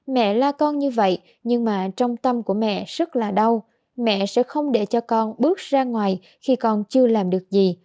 mẹ la con như vậy nhưng mà trong tâm của mẹ rất là đau mẹ sẽ không để cho con bước ra ngoài khi con chưa làm được gì